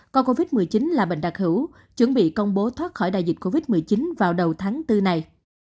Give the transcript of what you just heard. coi covid một mươi chín là bệnh đặc hữu chuẩn bị công bố thoát khỏi đại dịch covid một mươi chín vào đầu tháng bốn này